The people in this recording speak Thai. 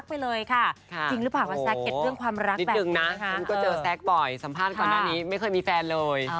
ผมก็เจอแซคบ่อยสัมภาษณ์ก่อนหน้านี้ไม่เคยมีแฟนเลย